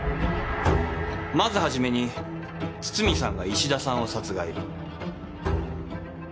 まず初めに堤さんが衣氏田さんを殺害。